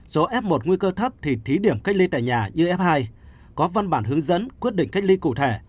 số f một nguy cơ thấp thì thí điểm cách ly tại nhà như f hai có văn bản hướng dẫn quyết định cách ly cụ thể